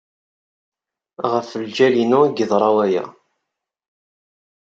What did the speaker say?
Ɣef ljal-inu ay yeḍra waya.